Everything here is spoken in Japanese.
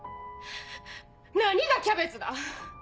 何がキャベツだ！